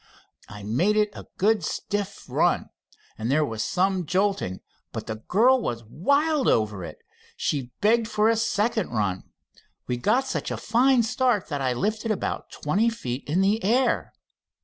I made it a good stiff run, and there was some jolting, but the girl was wild over it. She begged for a second run. We got such a fine start that I lifted about twenty feet in the air."